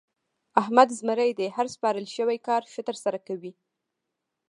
احمد زمری دی؛ هر سپارل شوی کار ښه ترسره کوي.